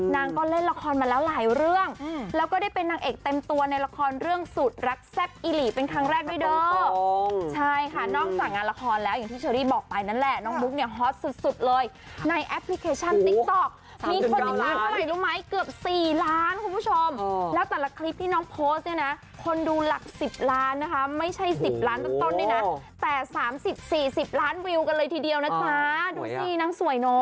๔ล้านคุณผู้ชมแล้วแต่ละคลิปที่น้องโพสต์เนี่ยนะคนดูหลัก๑๐ล้านนะคะไม่ใช่๑๐ล้านตั้งต้นดีนะแต่๓๐๔๐๑๐ล้านวิวกันเลยทีเดียวนะคะดูสินั่งสวยเนาะ